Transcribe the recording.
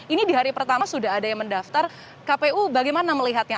ini di hari pertama sudah ada yang mendaftar kpu bagaimana melihatnya